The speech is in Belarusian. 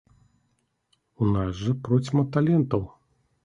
У нас жа процьма талентаў!